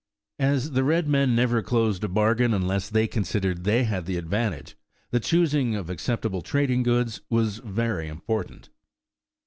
As the red men never closed a bargain, unless they considered they had the advantage, the choosing of acceptable trading goods was very important.